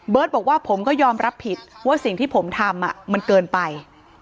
บอกว่าผมก็ยอมรับผิดว่าสิ่งที่ผมทำมันเกินไป